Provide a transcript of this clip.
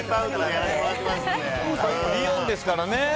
リヨンですからね。